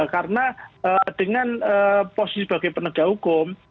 karena dengan posisi sebagai penegak hukum